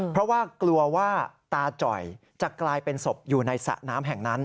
เพราะว่ากลัวว่าตาจ่อยจะกลายเป็นศพอยู่ในสระน้ำแห่งนั้น